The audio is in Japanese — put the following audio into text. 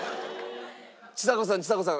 ちさ子さんちさ子さん